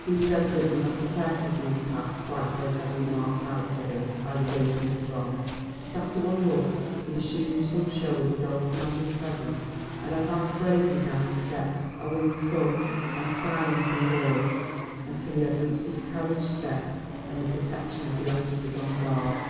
He was evidently not prepared to see his path quite so heavily marked out for him by the gaping throng; but after one look, he assumed some show of his old commanding presence and advanced bravely down the steps, awing some and silencing all, until he had reached his carriage step and the protection of the officers on guard.